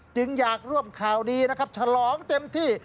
จึงอยากร่วมข่าวดีนะครับฉลองเต็มที่